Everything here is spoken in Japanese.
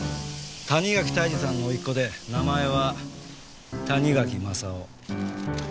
谷垣泰治さんの甥っ子で名前は谷垣正雄。